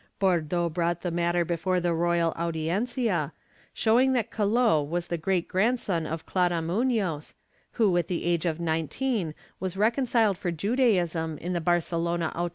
Bordo brought the matter before the royal Audiencia, showing that Calot was the great grandson of Clara Muiioz who, at the age of 19, was reconciled for Judaism in the ' Archive de Simancas, Inq.